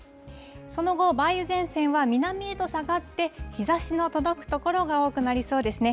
その後、梅雨前線は南へと下がって、日ざしの届く所が多くなりそうですね。